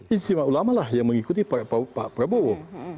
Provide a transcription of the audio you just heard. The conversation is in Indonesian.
istimewa ulama lah yang mengikuti pak prabowo